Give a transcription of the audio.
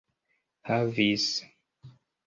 havis